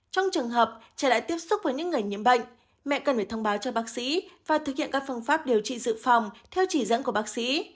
trong trường hợp trẻ lại tiếp xúc với những người nhiễm bệnh mẹ cần phải thông báo cho bác sĩ và thực hiện các phương pháp điều trị dự phòng theo chỉ dẫn của bác sĩ